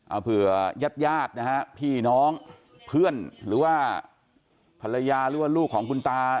เอาเผื่อยาดพี่น้องเพื่อนหรือว่าภรรยาหรือว่าลูกของคุณตา